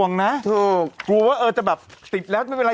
ถูกกลัวว่าเออจะแบบติดแล้วไม่เป็นไร